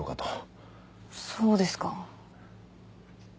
そうですか。